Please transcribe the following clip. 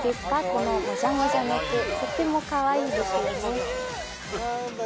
このモジャモジャの毛とってもかわいいですよね